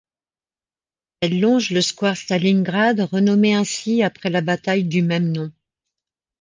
Elle longe le square Stalingrad, renommé ainsi après la bataille du même nom.